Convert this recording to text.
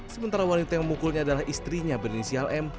sementara wanita yang memukulnya adalah istrinya berinisial m